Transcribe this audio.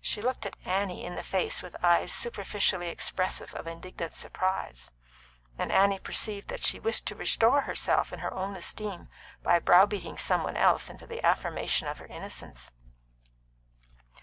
She looked Annie in the face with eyes superficially expressive of indignant surprise, and Annie perceived that she wished to restore herself in her own esteem by browbeating some one else into the affirmation of her innocence.